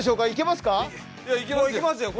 いけますよ。